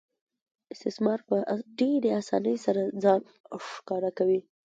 استثمار په ډېرې اسانۍ سره ځان ښکاره کوي